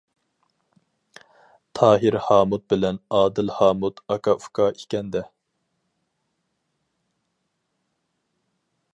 تاھىر ھامۇت بىلەن ئادىل ھامۇت ئاكا-ئۇكا ئىكەندە.